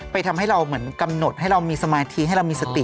ทำให้เราเหมือนกำหนดให้เรามีสมาธิให้เรามีสติ